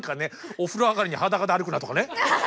「お風呂上がりに裸で歩くな」とかね